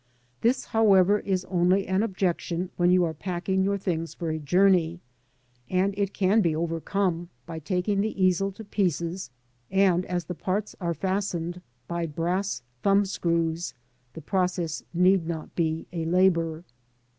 This, however, is only an objection when you are packing your things for a joum^, and it can be overcome by taking the easel to pieces, and as the parts are fastened by brass thumb screws, the process need not be a labour.